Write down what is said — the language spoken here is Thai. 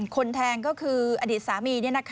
คนแทนก็คืออฤษฐมาน